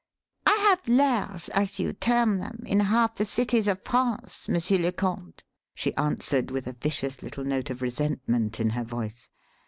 "I have 'lairs,' as you term them, in half the cities of France, Monsieur le Comte," she answered with a vicious little note of resentment in her voice.